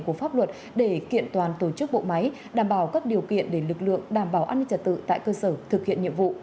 các điều kiện để lực lượng đảm bảo an ninh trật tự tại cơ sở thực hiện nhiệm vụ